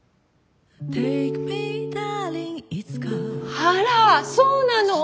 あらそうなの？